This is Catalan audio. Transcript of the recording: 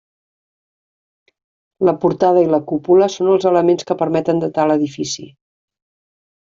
La portada i la cúpula són els elements que permeten datar l'edifici.